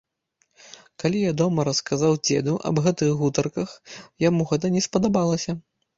Калі я дома расказаў дзеду аб гэтых гутарках, яму гэта не спадабалася.